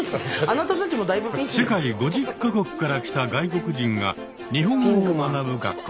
世界５０か国から来た外国人が日本語を学ぶ学校です。